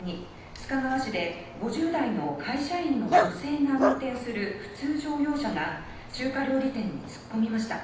須賀川市で、５０代の会社員の女性が運転する普通乗用車が中華料理店に突っ込みました。